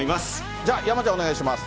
じゃあ、山ちゃん、お願いします。